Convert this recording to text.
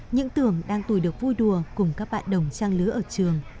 những tưởng đang tuổi được vui đùa cùng các bạn đồng trang lứa ở trường